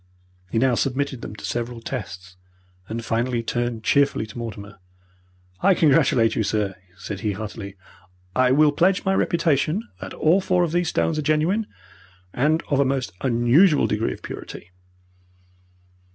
He now submitted them to several tests, and finally turned cheerfully to Mortimer. "I congratulate you, sir," said he, heartily. "I will pledge my reputation that all four of these stones are genuine, and of a most unusual degree of purity."